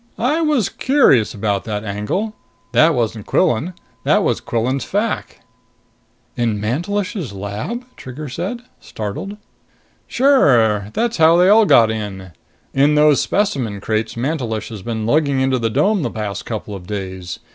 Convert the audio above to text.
"I was curious about that angle! That wasn't Quillan. That was Quillan's fac." "In Mantelish's lab?" Trigger said, startled. "Sure. That's how they all got in. In those specimen crates Mantelish has been lugging into the dome the past couple of days.